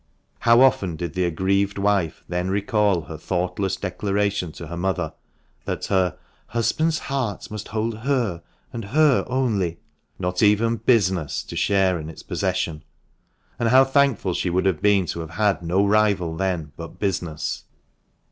How often did the aggrieved wife then recall her thoughtless declaration to her mother, that her " husband's heart must hold her and her only" not even business to share in its possession ! And how thankful she would have been to have had no rival then but business